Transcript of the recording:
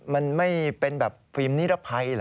มันไม่เป็นแบบฟิล์มนิรภัยเหรอ